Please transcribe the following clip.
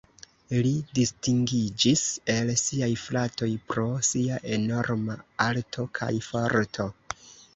Li distingiĝis el siaj fratoj pro sia enorma alto kaj forto.